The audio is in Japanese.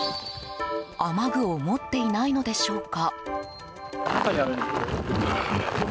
雨具を持っていないのでしょうか。